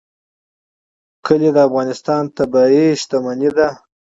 کلي د افغانستان طبعي ثروت دی.